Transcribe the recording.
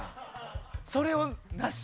それをなし？